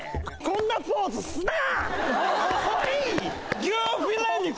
こんなポーズすな！